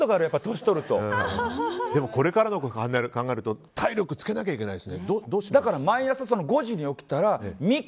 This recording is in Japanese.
でもこれからのことを考えると体力つけなきゃいけないですね。